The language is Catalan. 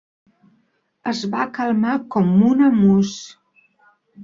Es va calmar com una mousse.